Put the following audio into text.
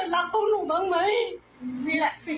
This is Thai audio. ที่เห็นอะไรน่ะก็สำคัญมากก็อม